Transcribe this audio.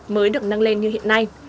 mới được năng lên như hiện nay